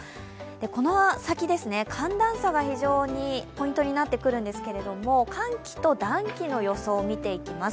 この先、寒暖差が非常にポイントになってくるんですけれども寒気と暖気の予想を見ていきます。